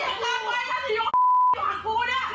กลับมาพร้อมขอบความ